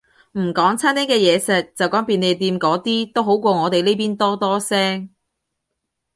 唔講餐廳嘅嘢食，就講便利店嗰啲，都好過我哋呢邊多多聲